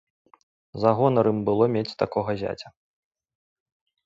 За гонар ім было мець такога зяця.